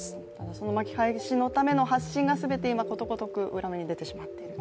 その巻き返しのための発信が今ことごとく裏目に出てしまっていると？